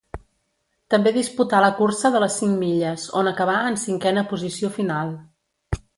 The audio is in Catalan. També disputà la cursa de les cinc milles, on acabà en cinquena posició final.